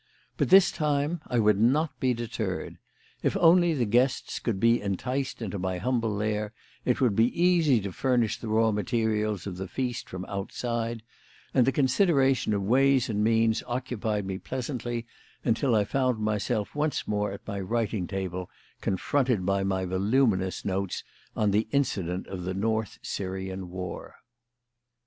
But this time I would not be deterred. If only the guests could be enticed into my humble lair, it would be easy to furnish the raw materials of the feast from outside; and the consideration of ways and means occupied me pleasantly until I found myself once more at my writing table, confronted by my voluminous notes on the incident of the North Syrian War.